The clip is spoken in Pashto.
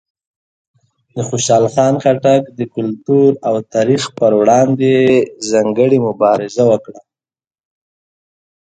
د خوشحال خان خټک د کلتور او تاریخ پر وړاندې یې ځانګړې مبارزه وکړه.